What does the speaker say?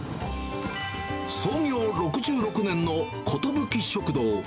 創業６６年のことぶき食堂。